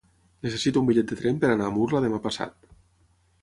Necessito un bitllet de tren per anar a Murla demà passat.